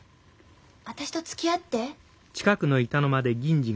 私とつきあって。